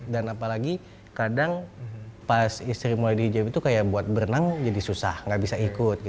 dan apalagi kadang pas istri mulai dihijab itu kayak buat berenang jadi susah nggak bisa ikut